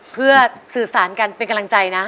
เพื่อสื่อสารกันเป็นกำลังใจนะ